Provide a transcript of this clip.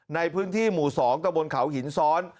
ในพื้นที่หมู่๒ตะบนเขาหินซ้อน